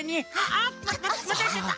あっまたやっちゃった！